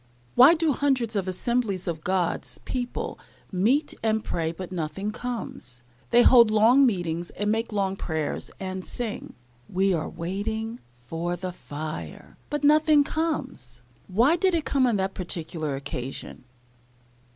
Why do hundreds of assemblies of God's people meet and pray, but nothing comes? They hold long meetings, and make long prayers, and sing, "We are waiting for the fire;" but nothing comes! Why did it come on that particular occasion?